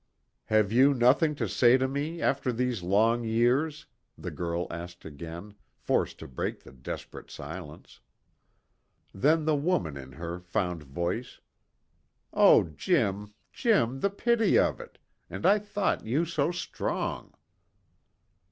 "Have you nothing to say to me after these long years?" the girl asked again, forced to break the desperate silence. Then the woman in her found voice, "Oh! Jim, Jim! the pity of it. And I thought you so strong."